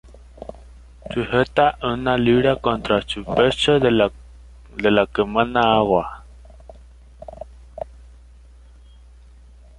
Sujeta una lira contra su pecho, de la que mana agua.